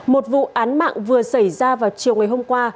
một vụ án mạng vừa xảy ra vào chiều ngày hôm qua